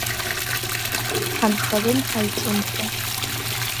Ҳанхарым ҳаиҿымхо.